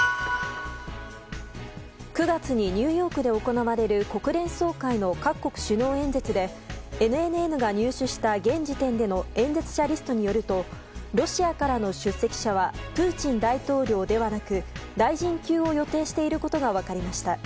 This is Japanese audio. ９月にニューヨークで行われる国連総会の各国首脳演説でＮＮＮが入手した現時点での演説者リストによるとロシアからの出席者はプーチン大統領ではなく大臣級を予定していることが分かりました。